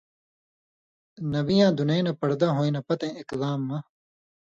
نبیؑ اں دُنیں نہ پڑدا ہُوئیں نہ پتَیں ایک لام مہ